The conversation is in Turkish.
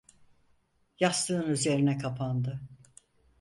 Yastığın üzerine kapandı.